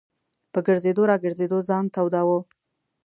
په ګرځېدو را ګرځېدو ځان توداوه.